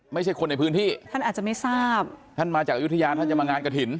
ไม่ใช่คนในพื้นที่ท่านอาจจะไม่ทราบท่านมาจากอายุทยาท่านจะมางานกระถิ่น